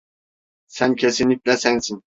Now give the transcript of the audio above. Sen kesinlikle sensin.